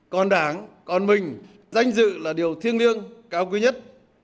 còn đảng còn mình danh dự là điều thiêng liêng cao quý nhất